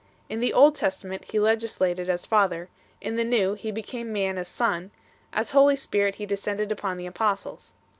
In the Old Testament He legislated as Father ; in the New He became man as Son ; as Holy Spirit He descended upon the Apostles 4